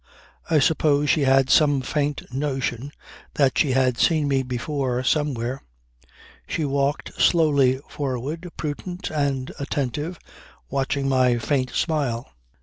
I suppose she had some faint notion that she had seen me before somewhere. She walked slowly forward, prudent and attentive, watching my faint smile.